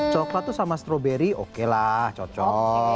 coklat sama strawberry okelah cocok